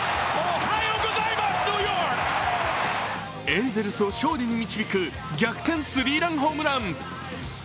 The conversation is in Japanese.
エンゼルスを勝利に導く逆転スリーランホームラン。